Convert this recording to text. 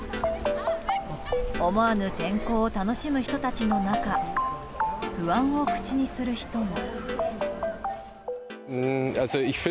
思わぬ天候を楽しむ人たちの中不安を口にする人も。